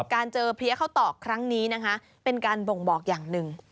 การเจอเพลียข้าวตอกครั้งนี้นะคะเป็นการบ่งบอกอย่างหนึ่ง